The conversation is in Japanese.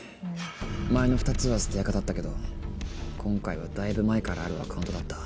前の２つは捨てアカだったけど今回はだいぶ前からあるアカウントだった。